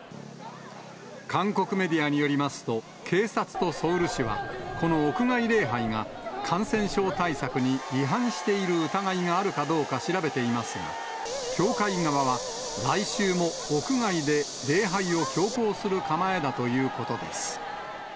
韓国メディアによりますと、警察とソウル市は、この屋外礼拝が感染症対策に違反している疑いがあるかどうか調べていますが、教会側は来週も屋外で礼拝を強行する構えだということです。